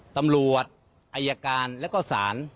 ตำรวจอายการแล้วก็ศาล